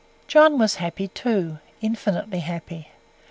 John was happy too infinitely happy.